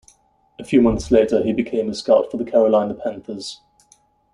A few months later he became a scout for the Carolina Panthers.